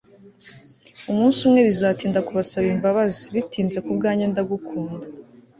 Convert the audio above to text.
Umunsi umwe bizatinda kubasaba imbabazi bitinze kubwanjye ndagukunda